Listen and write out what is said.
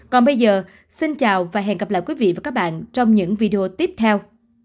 còn bây giờ xin chào và hẹn gặp lại các bạn trong những video tiếp theo